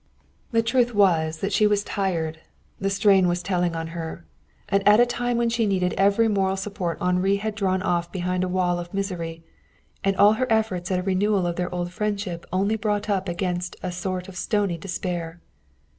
The truth was that she was tired. The strain was telling on her. And at a time when she needed every moral support Henri had drawn off behind a wall of misery, and all her efforts at a renewal of their old friendship only brought up against a sort of stony despair.